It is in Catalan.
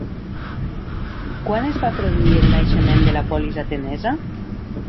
Quan es va produir el naixement de la polis atenesa?